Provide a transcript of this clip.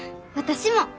私も。